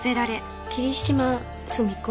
霧島澄子？